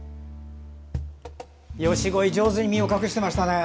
ヨシゴイ上手に身を隠していましたね。